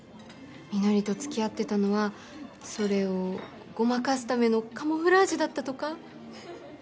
美乃里とつきあってたのはそれをごまかすためのカモフラージュだったとか？